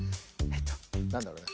なんだろうな。